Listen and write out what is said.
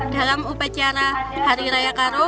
dalam upacara hari raya karo